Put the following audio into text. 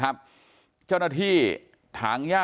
กลุ่มตัวเชียงใหม่